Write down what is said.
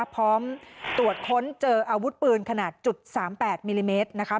พร้อมตรวจค้นเจออาวุธปืนขนาด๓๘มิลลิเมตรนะคะ